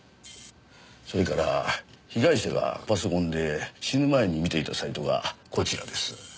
それから被害者がパソコンで死ぬ前に見ていたサイトがこちらです。